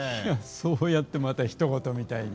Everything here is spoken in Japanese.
そうやって、またひと事みたいに。